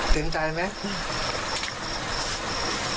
สนใจมั้ย